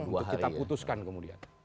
untuk kita putuskan kemudian